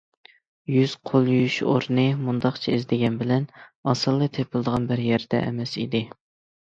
يۈز- قول يۇيۇش ئورنى مۇنداقچە ئىزدىگەن بىلەن ئاسانلا تېپىلىدىغان بىر يەردە ئەمەس ئىدى.